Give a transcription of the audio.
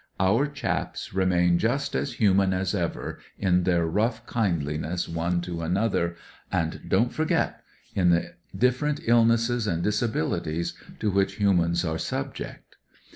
Our chaps remain v 204 WHAT EVERY M.O. KNOWS just as human as ever, in their rough kindliness one to another, and— don*t forget— m the different ills and disabilities to which humans are subject.